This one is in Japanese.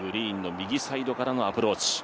グリーンの右サイドからのアプローチ。